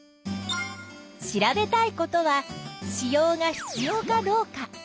調べたいことは子葉が必要かどうか。